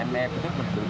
mf itu penting